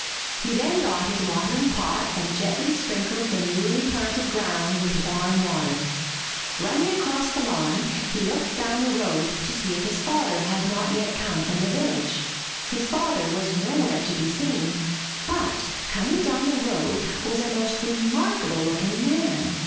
He then got his watering pot and gently sprinkled the newly planted ground with warm water. Run ning across the lawn, he looked down the road to see if his father had not yet come from the village. His father was nowhere to be seen, but coming down the road was a most remarkable looking man.